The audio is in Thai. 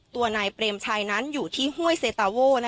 ตัวนายเปรมชัยนั้นอยู่ที่ห้วยเซตาโว่